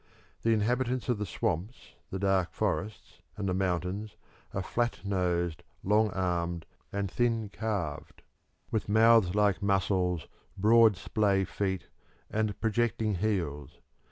The inhabitants of the swamps, the dark forests and the mountains are flat nosed, long armed, and thin calved, with mouths like mussles, broad splay feet, and projecting heels.